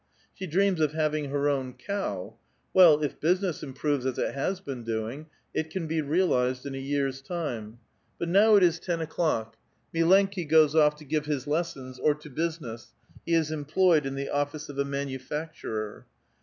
She dreams of having her own cow ; well, if business improves as it has been doing, it can be realized in a year's time. But now it is ten o'clock. *•* Mlloiki goes off to give his lessons or to business ; he is employed in the otlice of a manufacturer.